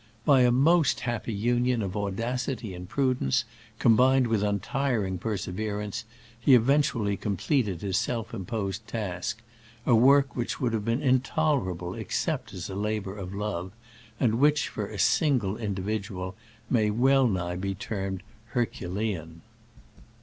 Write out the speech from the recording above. By a most hap py union of audacity and prudence, combined with untiring perseverance, he eventually completed his self imposed task — a work which would have been intolerable except as a' labor of love, and which, for a single individual, may wellnigh be termed herculean.